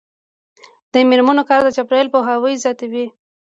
د میرمنو کار د چاپیریال پوهاوی زیاتوي.